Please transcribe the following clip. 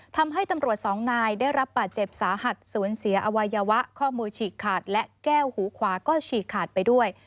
ทำให้ตำรวจสองนายได้รับบาดเจ็บสาหัสสูญเสียอวัยวะข้อมือฉีกขาดและแก้วหูขวาก็ฉีกขาดไปด้วย